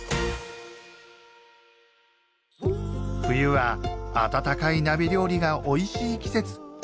冬は温かい鍋料理がおいしい季節。